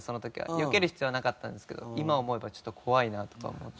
よける必要はなかったんですけど今思えばちょっと怖いなとか思って。